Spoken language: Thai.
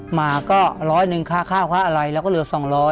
มาก็ร้อยหนึ่งค่าข้าวค่าอะไรแล้วก็เหลือ๒๐๐